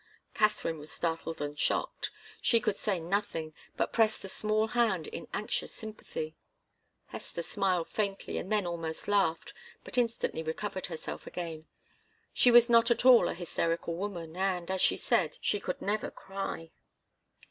Katharine was startled and shocked. She could say nothing, but pressed the small hand in anxious sympathy. Hester smiled faintly, and then almost laughed, but instantly recovered herself again. She was not at all a hysterical woman, and, as she said, she could never cry.